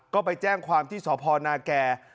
ก็ไปแจ้งความที่สพนาแก่